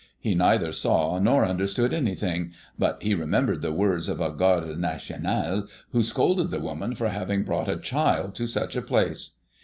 He neither saw nor understood anything; but he remembered the words of a garde nationale who scolded the woman for having brought a child to such a place.